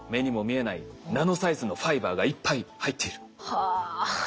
はあ。